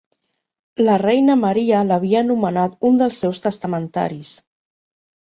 La reina Maria l'havia nomenat un dels seus testamentaris.